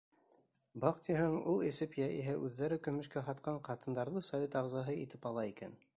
Баҡтиһәң, ул эсеп йә иһә үҙҙәре көмөшкә һатҡан ҡатындарҙы совет ағзаһы итеп ала икән.